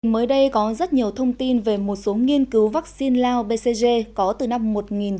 mới đây có rất nhiều thông tin về một số nghiên cứu vaccine lao bcg có từ năm một nghìn chín trăm bảy mươi